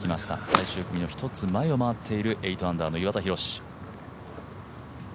最終組の１つ前を回っている、８アンダーの岩田寛。